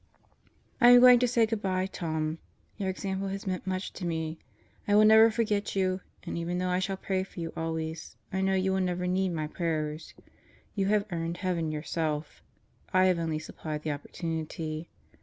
I am going to say good by, Tom. Your example has meant much to me. I will never forget you and even though I shall pray for you always, I know you will never need my prayers. You have earned heaven yourself; I have only supplied the opportunity.